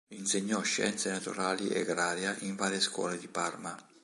Insegnò scienze naturali e agraria in varie scuole di Parma.